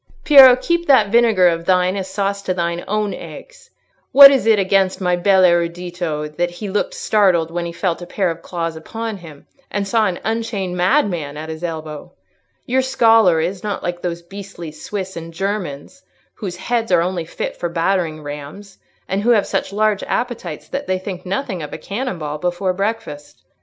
"Piero, keep that vinegar of thine as sauce to thine own eggs! What is it against my bel erudito that he looked startled when he felt a pair of claws upon him and saw an unchained madman at his elbow? Your scholar is not like those beastly Swiss and Germans, whose heads are only fit for battering rams, and who have such large appetites that they think nothing of taking a cannon ball before breakfast.